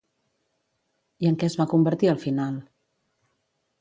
I en què es va convertir al final?